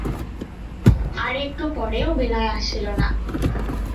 আর-একটু পরেও বিনয় আসিল না।